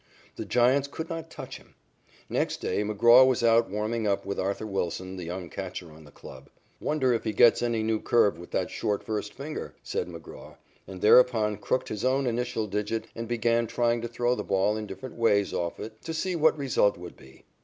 The Giants could not touch him. Next day McGraw was out warming up with Arthur Wilson, the young catcher on the club. "Wonder if he gets any new curve with that short first finger?" said McGraw, and thereupon crooked his own initial digit and began trying to throw the ball in different ways off it to see what the result would be.